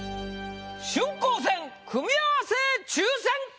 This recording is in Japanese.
「春光戦組み合わせ抽選会」！